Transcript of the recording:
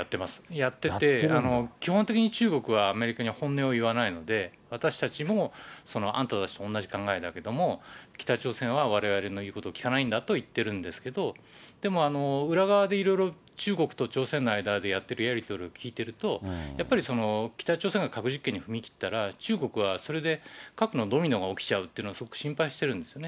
やってて、基本的に中国はアメリカに本音をいわないので、私たちも、あんたたちと同じ考えだけども、北朝鮮はわれわれの言うことを聞かないんだといってるんですけど、でも、裏側でいろいろ、中国と朝鮮の間でやってるやり取りを聞いてると、やっぱり北朝鮮が核実験に踏み切ったら、中国はそれで核のドミノが起きちゃうっていうのは、すごく心配してるんですよね。